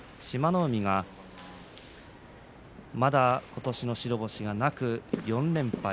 海はまだ今年の白星がなく４連敗。